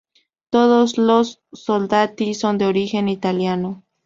Todos los soldati son de origen Italiano.